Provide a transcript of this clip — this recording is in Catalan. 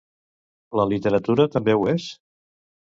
La literatura també ho és?